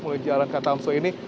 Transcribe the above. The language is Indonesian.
menuju jalan katamso ini